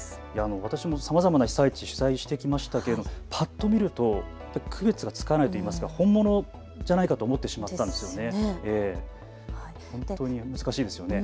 私もさまざまな被災地、取材してきましたけどぱっと見ると区別がつかないといいますか、本物じゃないかと思ってしまったんですよね。